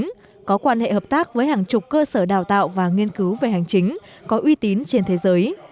có quan hệ hợp tác với hàng chục cơ sở đào tạo và nghiên cứu về hành chính có uy tín trên thế giới